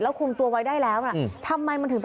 แล้วคุมตัวไว้ได้แล้วทำไมมันถึง